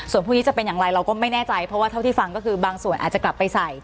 ส่วนพรุ่งนี้จะเป็นอย่างไรเราก็ไม่แน่ใจเพราะว่าเท่าที่ฟังก็คือบางส่วนอาจจะกลับไปใส่